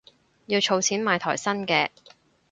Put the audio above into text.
要儲錢買台新嘅